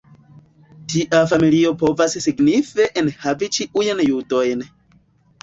Tia familio povas signife enhavi ĉiujn judojn.